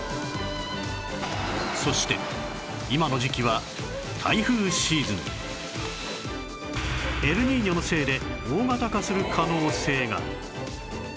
そして今の時期はエルニーニョのせいで大型化する可能性が